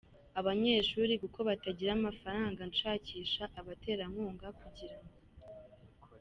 abanyeshuri, kuko batagira amafaranga nshakisha abaterankunga kugira ngo.